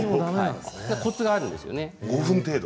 コツがあるんですよね。